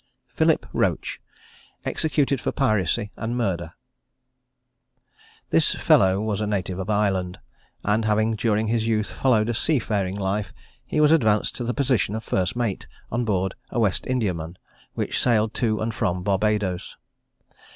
PHILIP ROACH, EXECUTED FOR PIRACY AND MURDER. This fellow was a native of Ireland, and having, during his youth, followed a seafaring life, he was advanced to the position of first mate, on board a West Indiaman, which sailed to and from Barbadoes.